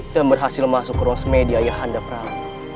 dan berhasil masuk ke rosmedia ayahanda prabu